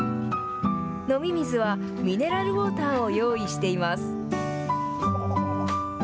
飲み水はミネラルウォーターを用意しています。